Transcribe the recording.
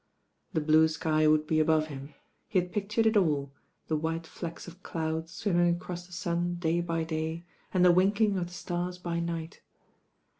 The blue sky would be above him ; he had pictured it all, the white flecks of cloud swimming across the sun day by day, and the winking of the stars by night.